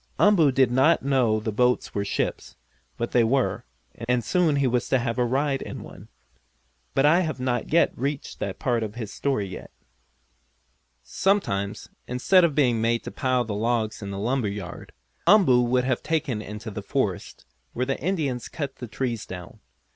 Umboo did not know the boats were ships, but they were, and soon he was to have a ride in one. But I have not reached that part of his story yet. Sometimes, instead of being made to pile the logs in the lumber yard, Umboo would be taken into the forest, where the Indians cut the trees down.